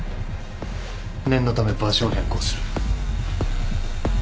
念のため場所を変更する。